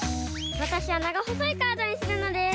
わたしはながほそいカードにするのです。